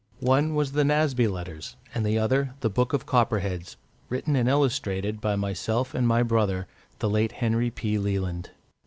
One was the "Nasby Letters," and the other "The Book of Copperheads," written and illustrated by myself and my brother, the late Henry P. Leland.